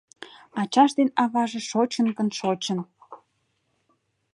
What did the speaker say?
Ачаж ден аваже шочын гын шочын